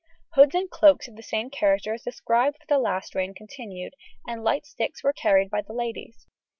Hoods and cloaks of the same character as described for the last reign continued, and light sticks were carried by the ladies.